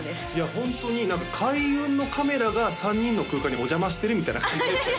ホントに何か開運のカメラが３人の空間にお邪魔してるみたいな感じでしたよ